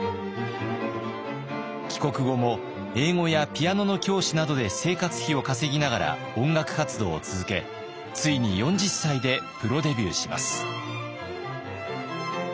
帰国後も英語やピアノの教師などで生活費を稼ぎながら音楽活動を続けついに４０歳でプロデビューします。